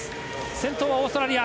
先頭はオーストラリア。